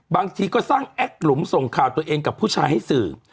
บางทีก็สร้างแอคหลุมส่งข่าวตัวเองกับผู้ชายให้สื่อ